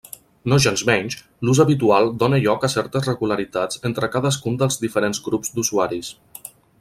Nogensmenys, l'ús habitual dóna lloc a certes regularitats entre cadascun dels diferents grups d'usuaris.